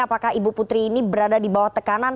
apakah ibu putri ini berada di bawah tekanan